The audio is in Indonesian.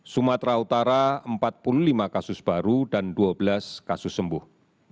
sumatera utara empat puluh lima kasus baru dan dua belas kasus sembuh